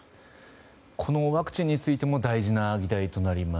このワクチンについても大事な議題となります